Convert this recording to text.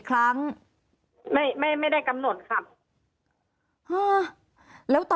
มันเป็นอาหารของพระราชา